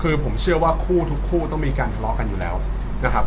คือผมเชื่อว่าคู่ทุกคู่ต้องมีการทะเลาะกันอยู่แล้วนะครับ